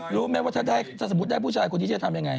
รู้มั้ยว่าถ้าได้จากสมมุติได้ผู้ชายคุณที่จะทำอย่างไร